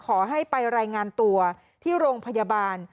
ขอให้ไปรายงานตัวที่โรงพยาบาล